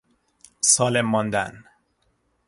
سالم ماندن